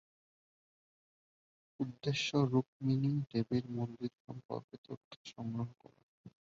উদ্দেশ্য রুকমিনী দেবীর মন্দির সম্পর্কে তথ্য সংগ্রহ করা।